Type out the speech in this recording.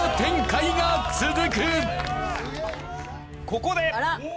ここで。